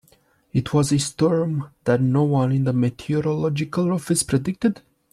It was a storm that no one in the meteorological office predicted.